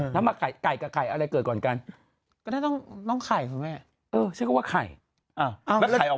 ทำไมเธอกินขนมไม่เวลาฉันอ่านข่าว